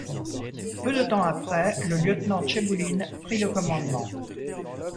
Peu de temps après le lieutenant Tchebouline prit le commandement.